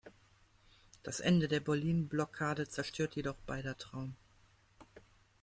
Das Ende der Berlin-Blockade zerstört jedoch beider Traum.